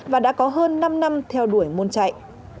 và đã có hơn năm năm theo đuổi môn chạy